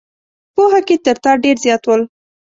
پوهه کې تر تا ډېر زیات ول.